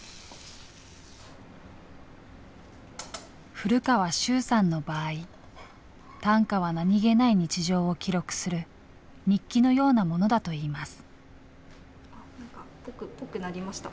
古川柊さんの場合短歌は何気ない日常を記録する日記のようなものだといいます。